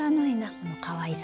このかわいさ。